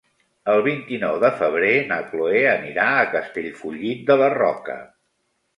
El vint-i-nou de febrer na Cloè anirà a Castellfollit de la Roca.